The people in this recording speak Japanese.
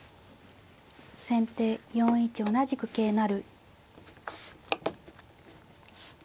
先手４一同じく桂成。